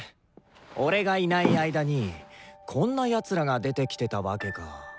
俺がいない間にこんな奴らが出てきてたわけか。